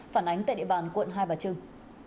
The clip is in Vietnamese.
phản ánh tại địa bàn quận hai bà trưng